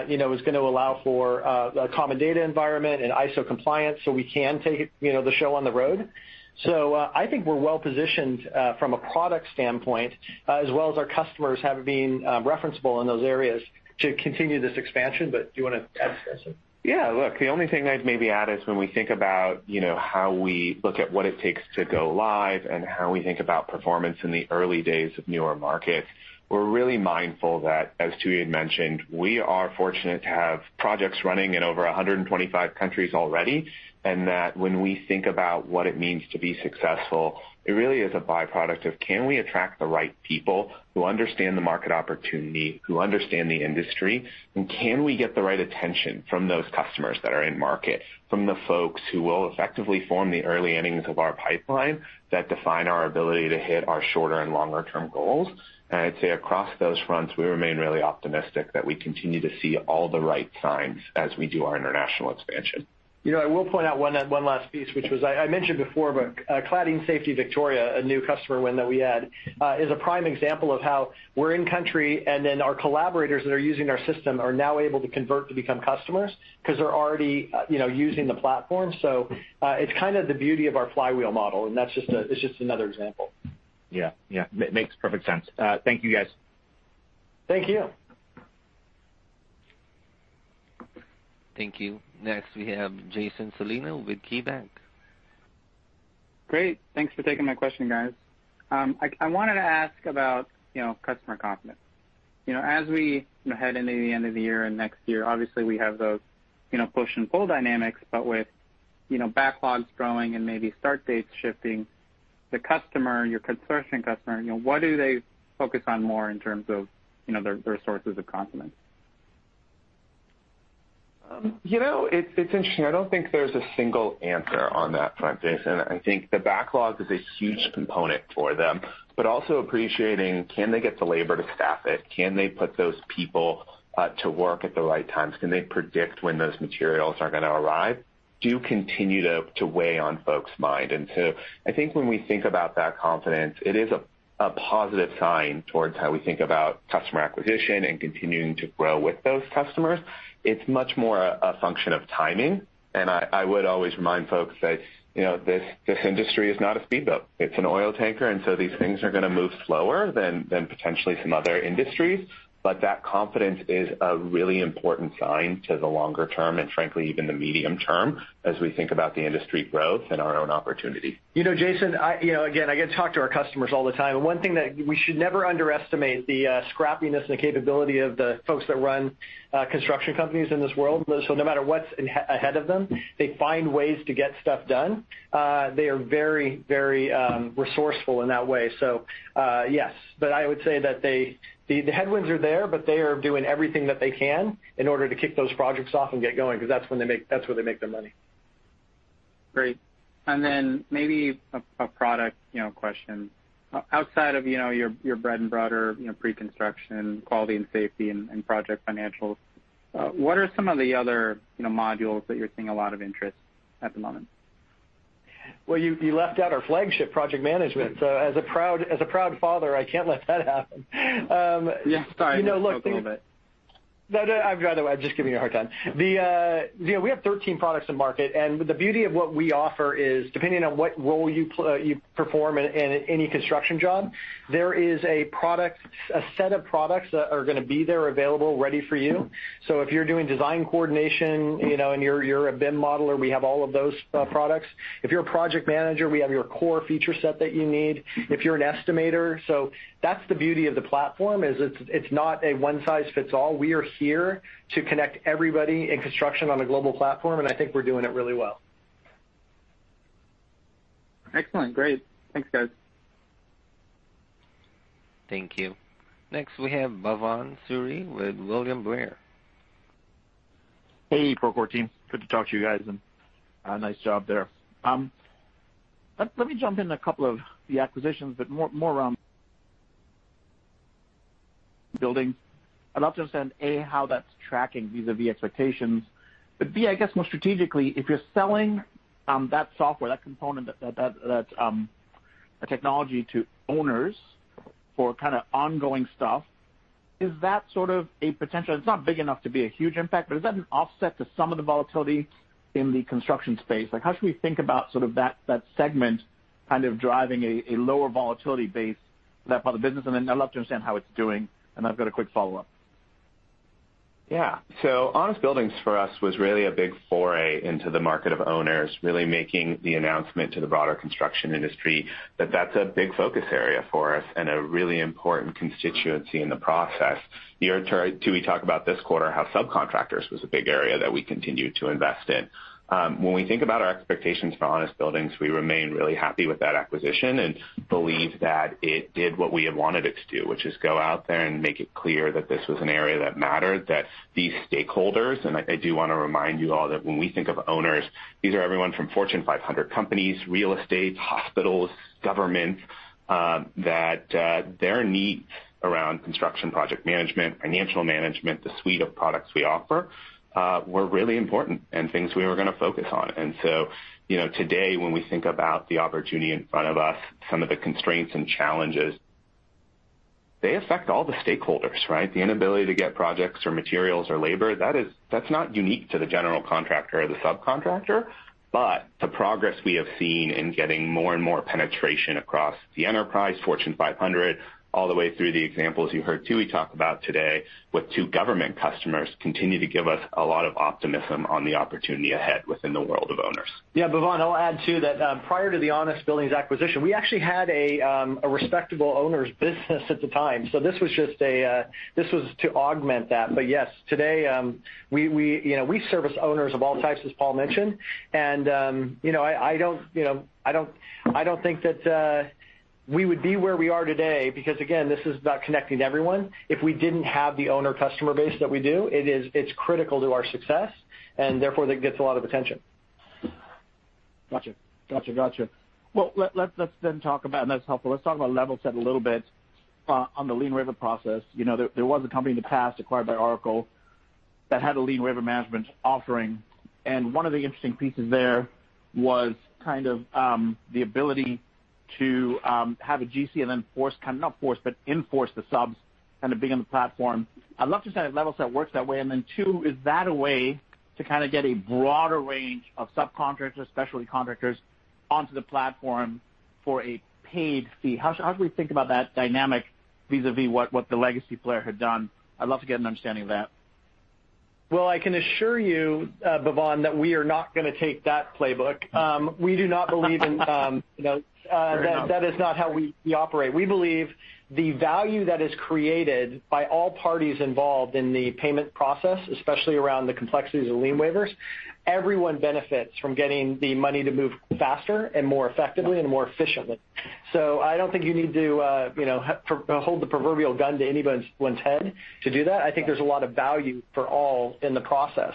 you know, is gonna allow for a common data environment and ISO compliance, so we can take you know, the show on the road. I think we're well positioned from a product standpoint, as well as our customers have been referenceable in those areas to continue this expansion. Do you wanna add to this? Yeah. Look, the only thing I'd maybe add is when we think about, you know, how we look at what it takes to go live and how we think about performance in the early days of newer markets, we're really mindful that, as Tooey had mentioned, we are fortunate to have projects running in over 125 countries already, and that when we think about what it means to be successful, it really is a by-product of can we attract the right people who understand the market opportunity, who understand the industry, and can we get the right attention from those customers that are in market, from the folks who will effectively form the early innings of our pipeline that define our ability to hit our shorter and longer term goals. I'd say across those fronts, we remain really optimistic that we continue to see all the right signs as we do our international expansion. You know, I will point out one last piece, which was I mentioned before, but Cladding Safety Victoria, a new customer win that we had, is a prime example of how we're in country, and then our collaborators that are using our system are now able to convert to become customers 'cause they're already, you know, using the platform. It's kinda the beauty of our flywheel model, and that's just another example. Yeah. Yeah. Makes perfect sense. Thank you, guys. Thank you. Thank you. Next, we have Jason Celino with KeyBanc. Great. Thanks for taking my question, guys. I wanted to ask about, you know, customer confidence. You know, as we, you know, head into the end of the year and next year, obviously we have those, you know, push and pull dynamics, but with, you know, backlogs growing and maybe start dates shifting, the customer, your construction customer, you know, what do they focus on more in terms of, you know, their sources of confidence? You know, it's interesting. I don't think there's a single answer on that front, Jason. I think the backlog is a huge component for them, but also, appreciating can they get the labor to staff it? Can they put those people to work at the right times? Can they predict when those materials are gonna arrive? They do continue to weigh on folks' minds. I think when we think about that confidence, it is a positive sign towards how we think about customer acquisition and continuing to grow with those customers. It's much more a function of timing, and I would always remind folks that, you know, this industry is not a speedboat, it's an oil tanker, and so these things are gonna move slower than potentially some other industries. That confidence is a really important sign to the longer term, and frankly, even the medium term as we think about the industry growth and our own opportunity. You know, Jason, you know, again, I get to talk to our customers all the time, and one thing that we should never underestimate the scrappiness and the capability of the folks that run construction companies in this world. So no matter what's ahead of them, they find ways to get stuff done. They are very resourceful in that way. So yes, but I would say that the headwinds are there, but they are doing everything that they can in order to kick those projects off and get going 'cause that's where they make their money. Great. Maybe a product, you know, question. Outside of, you know, your bread and butter, you know, pre-construction, quality and safety, and project financials, what are some of the other, you know, modules that you're seeing a lot of interest at the moment? Well, you left out our flagship project management. As a proud father, I can't let that happen. Yeah, sorry. You know, a little bit. No, no. I'm just giving you a hard time. The, you know, we have 13 products to market, and the beauty of what we offer is depending on what role you perform in any construction job, there is a product, a set of products that are gonna be there available, ready for you. If you're doing design coordination, you know, and you're a BIM modeler, we have all of those products. If you're a project manager, we have your core feature set that you need. If you're an estimator, that's the beauty of the platform, is it's not a one size fits all. We are here to connect everybody in construction on a global platform, and I think we're doing it really well. Excellent. Great. Thanks, guys. Thank you. Next, we have Bhavan Suri with William Blair. Hey, Procore team. Good to talk to you guys and, nice job there. Let me jump in a couple of the acquisitions, but more around building. I'd love to understand, A, how that's tracking vis-a-vis expectations. B, I guess more strategically, if you're selling that software, that component that a technology to owners for kinda ongoing stuff, is that sort of a potential. It's not big enough to be a huge impact, but is that an offset to some of the volatility in the construction space. Like, how should we think about sort of that segment kind of driving a lower volatility base for that part of the business. And then I'd love to understand how it's doing, and I've got a quick follow-up. Yeah. Honest Buildings for us was really a big foray into the market of owners, really making the announcement to the broader construction industry that that's a big focus area for us and a really important constituency in the process. You heard Tooey talk about this quarter how subcontractors was a big area that we continued to invest in. When we think about our expectations for Honest Buildings, we remain really happy with that acquisition and believe that it did what we had wanted it to do, which is go out there and make it clear that this was an area that mattered, that these stakeholders. I do wanna remind you all that when we think of owners, these are everyone from Fortune 500 companies, real estate, hospitals, governments, that their needs around construction project management, financial management, the suite of products we offer, were really important and things we were gonna focus on. You know, today, when we think about the opportunity in front of us, some of the constraints and challenges, they affect all the stakeholders, right? The inability to get projects or materials or labor, that is not unique to the general contractor or the subcontractor. The progress we have seen in getting more and more penetration across the enterprise, Fortune 500, all the way through the examples you heard Tooey talk about today with two government customers continue to give us a lot of optimism on the opportunity ahead within the world of owners. Yeah, Bhavan, I'll add too that prior to the Honest Buildings acquisition, we actually had a respectable owners business at the time. So this was just to augment that. But yes, today, we you know we service owners of all types, as Paul mentioned. You know, I don't think that we would be where we are today, because again, this is about connecting everyone, if we didn't have the owner customer base that we do. It's critical to our success, and therefore, it gets a lot of attention. Gotcha. That's helpful. Let's talk about Levelset a little bit on the lien waiver process. You know, there was a company in the past acquired by Oracle that had a lien waiver management offering, and one of the interesting pieces there was the ability to have a GC and then enforce the subs be on the platform. I'd love to understand if Levelset works that way, and then too, is that a way to get a broader range of subcontractors, specialty contractors onto the platform for a paid fee? How should we think about that dynamic vis-a-vis what the legacy player had done? I'd love to get an understanding of that. Well, I can assure you, Bhavan, that we are not gonna take that playbook. We do not believe in, Fair enough. You know, that is not how we operate. We believe the value that is created by all parties involved in the payment process, especially around the complexities of lien waivers. Everyone benefits from getting the money to move faster and more effectively and more efficiently. I don't think you need to hold the proverbial gun to anybody's head to do that. I think there's a lot of value for all in the process.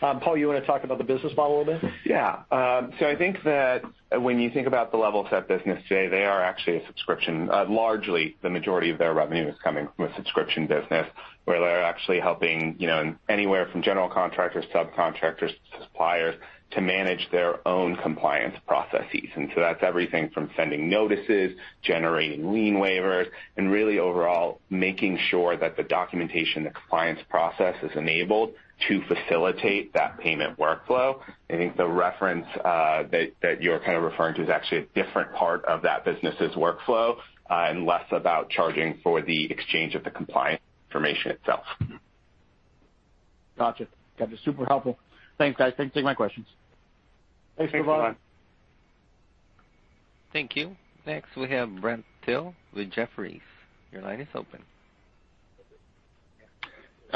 Paul, you wanna talk about the business model a little bit? Yeah. I think that when you think about the Levelset business today, they are actually a subscription. Largely, the majority of their revenue is coming from a subscription business, where they're actually helping, you know, anywhere from general contractors, subcontractors, suppliers to manage their own compliance processes. That's everything from sending notices, generating lien waivers, and really overall making sure that the documentation, the compliance process is enabled to facilitate that payment workflow. I think the reference that you're kind of referring to is actually a different part of that business' workflow, and less about charging for the exchange of the compliance information itself. Gotcha. That was super helpful. Thanks, guys. Thanks for taking my questions. Thanks, Bhavan. Thanks, Bhavan. Thank you. Next, we have Brent Thill with Jefferies. Your line is open.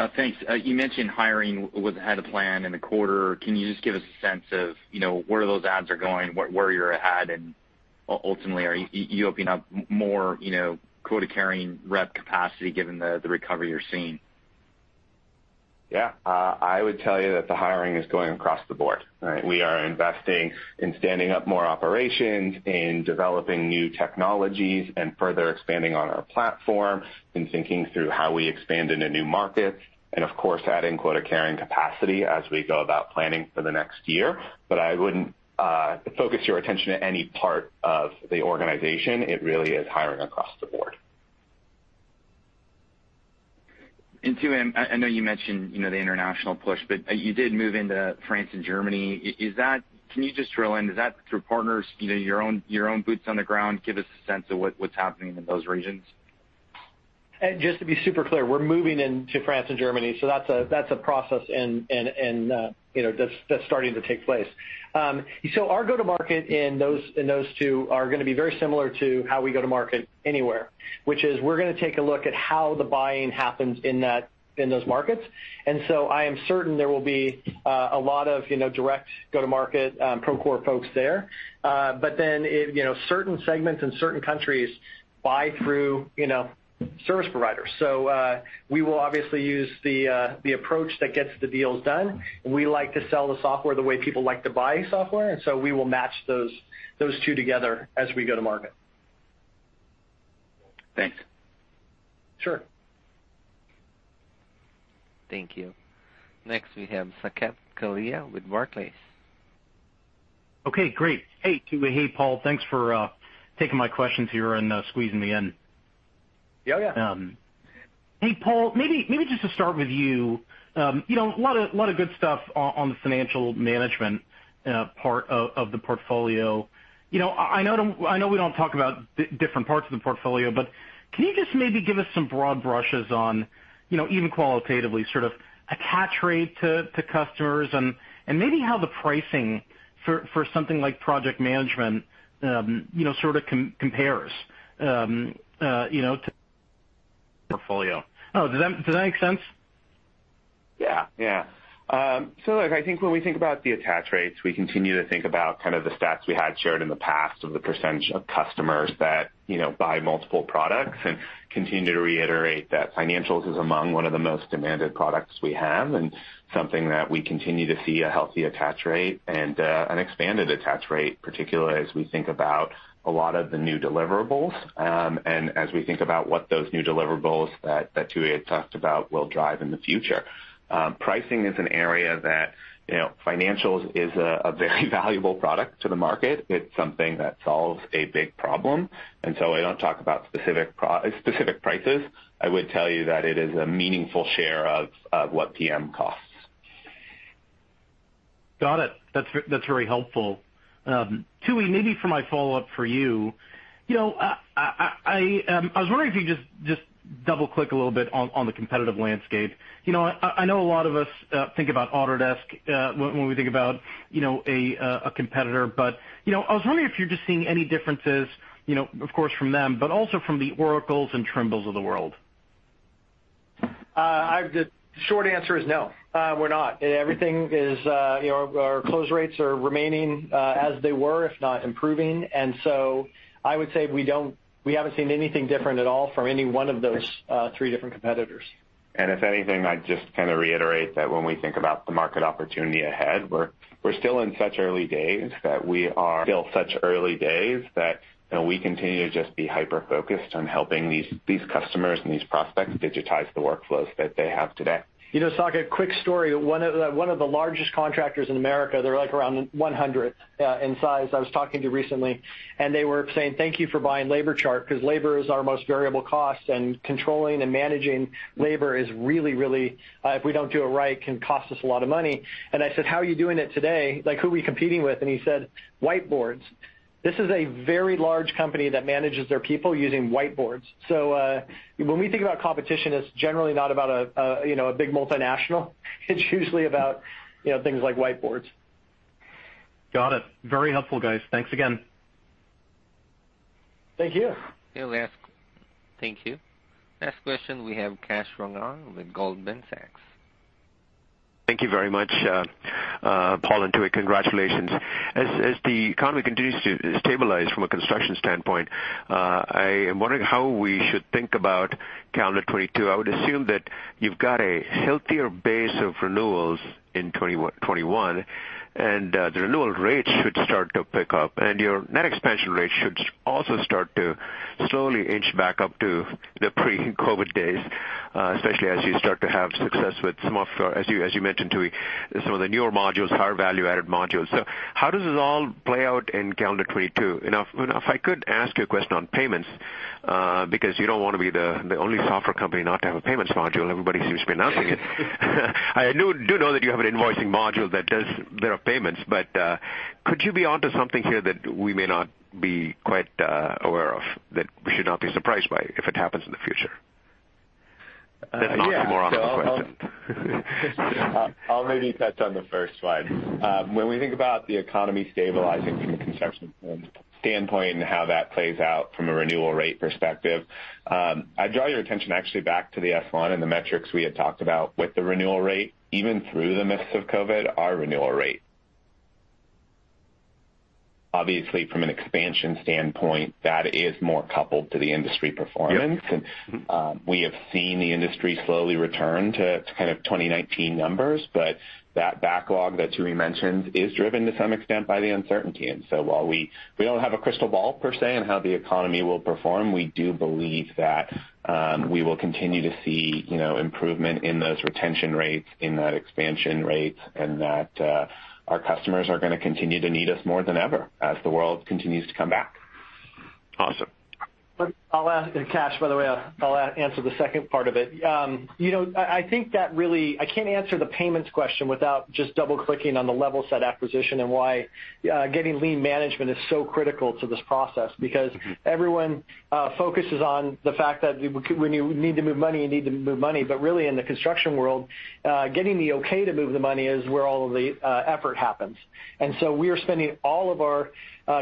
Thanks. You mentioned hiring was ahead of plan in the quarter. Can you just give us a sense of, you know, where those adds are going, where you're ahead, and ultimately, are you opening up more, you know, quota-carrying rep capacity given the recovery you're seeing? Yeah. I would tell you that the hiring is going across the board, right? We are investing in standing up more operations, in developing new technologies, and further expanding on our platform, and thinking through how we expand into new markets, and of course, adding quota-carrying capacity as we go about planning for the next year. I wouldn't focus your attention to any part of the organization. It really is hiring across the board. Tooey, I know you mentioned, you know, the international push, but you did move into France and Germany. Can you just drill in? Is that through partners, you know, your own boots on the ground? Give us a sense of what's happening in those regions. Just to be super clear, we're moving into France and Germany, so that's a process, you know, that's starting to take place. Our go-to-market in those two are gonna be very similar to how we go to market anywhere, which is we're gonna take a look at how the buying happens in those markets. I am certain there will be a lot of, you know, direct go-to-market Procore folks there. Then, you know, certain segments and certain countries buy through, you know, service providers. We will obviously use the approach that gets the deals done. We like to sell the software the way people like to buy software, and so we will match those two together as we go to market. Thanks. Sure. Thank you. Next, we have Saket Kalia with Barclays. Okay, great. Hey, Tooey. Hey, Paul. Thanks for taking my questions here and squeezing me in. Yeah, yeah. Hey, Paul, maybe just to start with you know, a lot of good stuff on the financial management part of the portfolio. You know, I know we don't talk about different parts of the portfolio, but can you just maybe give us some broad brushes on, you know, even qualitatively, sort of attach rate to customers and maybe how the pricing for something like project management, you know, sort of compares to portfolio? Does that make sense? Look, I think when we think about the attach rates, we continue to think about kind of the stats we had shared in the past of the percent of customers that, you know, buy multiple products and continue to reiterate that Financials is among one of the most demanded products we have and something that we continue to see a healthy attach rate and an expanded attach rate, particularly as we think about a lot of the new deliverables, and as we think about what those new deliverables that Tooey talked about will drive in the future. Pricing is an area that, you know, Financials is a very valuable product to the market. It's something that solves a big problem. I don't talk about specific prices. I would tell you that it is a meaningful share of what PM costs. Got it. That's very helpful. Tooey, maybe for my follow-up for you. You know, I was wondering if you could just double-click a little bit on the competitive landscape. You know, I know a lot of us think about Autodesk when we think about you know a competitor. You know, I was wondering if you're just seeing any differences, you know, of course, from them, but also from the Oracle and Trimble of the world. Short answer is no. We're not. Everything is, you know, our close rates are remaining as they were, if not improving. I would say we haven't seen anything different at all from any one of those three different competitors. If anything, I'd just kinda reiterate that when we think about the market opportunity ahead, we're still in such early days that, you know, we continue to just be hyper-focused on helping these customers and these prospects digitize the workflows that they have today. You know, Saket, quick story. One of the largest contractors in America, they're like around 100 in size, I was talking to recently, and they were saying, "Thank you for buying LaborChart, 'cause labor is our most variable cost, and controlling and managing labor is really, if we don't do it right, can cost us a lot of money." I said, "How are you doing it today? Like, who are we competing with?" And he said, "Whiteboards." This is a very large company that manages their people using whiteboards. When we think about competition, it's generally not about you know, a big multinational. It's usually about, you know, things like whiteboards. Got it. Very helpful, guys. Thanks again. Thank you. Okay, last. Thank you. Last question, we have Kash Rangan with Goldman Sachs. Thank you very much. Paul and Tooey, congratulations. As the economy continues to stabilize from a construction standpoint, I am wondering how we should think about calendar 2022. I would assume that you've got a healthier base of renewals in 2021, and the renewal rates should start to pick up, and your net expansion rate should also start to slowly inch back up to the pre-COVID days, especially as you start to have success with some of your, as you mentioned, Tooey, some of the newer modules, higher value-added modules. How does this all play out in calendar 2022? If I could ask you a question on payments, because you don't wanna be the only software company not to have a payments module. Everybody seems to be announcing it. I do know that you have an invoicing module that does a bit of payments, but could you be onto something here that we may not be quite aware of, that we should not be surprised by if it happens in the future? Yeah. That's not the moron I represent. I'll maybe touch on the first one. When we think about the economy stabilizing from a construction standpoint and how that plays out from a renewal rate perspective, I'd draw your attention actually back to the S-1 and the metrics we had talked about with the renewal rate. Even through the midst of COVID, our renewal rate obviously from an expansion standpoint is more coupled to the industry performance. Yep. Mm-hmm. We have seen the industry slowly return to kind of 2019 numbers, but that backlog that Tooey mentioned is driven to some extent by the uncertainty. While we don't have a crystal ball per se on how the economy will perform, we do believe that we will continue to see, you know, improvement in those retention rates, in that expansion rates, and that our customers are gonna continue to need us more than ever as the world continues to come back. Awesome. I'll add, Kash, by the way, I'll answer the second part of it. You know, I think that really, I can't answer the payments question without just double-clicking on the Levelset acquisition and why getting lien management is so critical to this process. Because everyone focuses on the fact that when you need to move money, you need to move money. Really, in the construction world, getting the okay to move the money is where all of the effort happens. We are spending all of our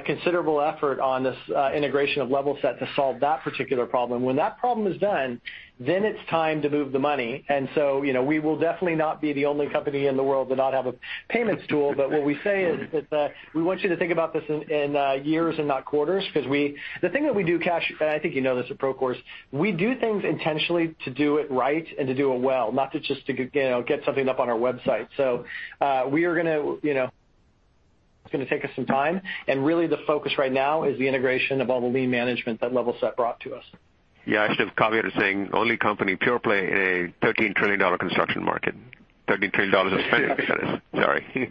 considerable effort on this integration of Levelset to solve that particular problem. When that problem is done, then it's time to move the money. You know, we will definitely not be the only company in the world to not have a payments tool. What we say is that we want you to think about this in years and not quarters, 'cause we. The thing that we do, Kash, and I think you know this at Procore, is we do things intentionally to do it right and to do it well, not just to, you know, get something up on our website. So, we are gonna, you know, it's gonna take us some time, and really the focus right now is the integration of all the lien management that Levelset brought to us. Yeah, I should have caveated saying only company pure play in a $13 trillion construction market. $13 trillion of spending. Sorry.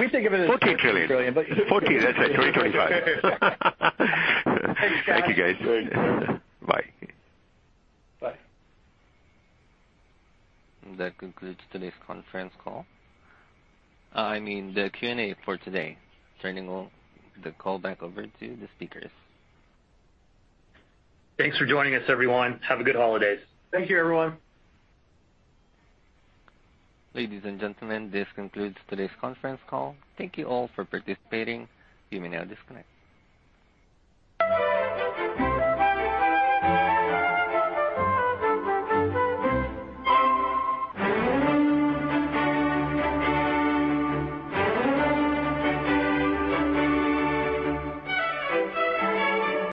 We think of it as 13 trillion, but 14 trillion. 14. That's it. 2025. Thank you, Kash. Thank you, guys. Bye. Bye. That concludes today's conference call. I mean the Q&A for today. Turning the call back over to the speakers. Thanks for joining us, everyone. Have a good holidays. Thank you, everyone. Ladies and gentlemen, this concludes today's conference call. Thank you all for participating. You may now disconnect.